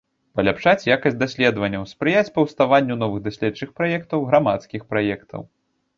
Паляпшаць якасць даследаванняў, спрыяць паўставанню новых даследчых праектаў, грамадскіх праектаў.